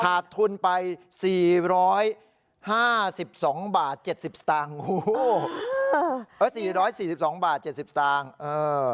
ถาดทุนไป๔๕๒บาท๗๐ตังค์โอ้โหเออ๔๔๒บาท๗๐ตังค์เออ